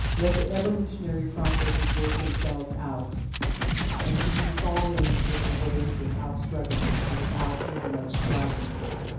Let the evolutionary processes work themselves out, and do you fall in with the wave without struggling, and without overmuch striving.